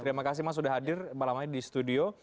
terima kasih mas sudah hadir malam ini di studio